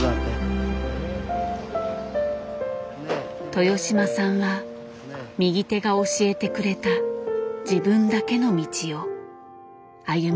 豊島さんは右手が教えてくれた自分だけの道を歩み続ける。